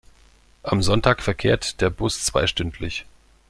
Am Sonntag verkehrt der Bus zweistündlich.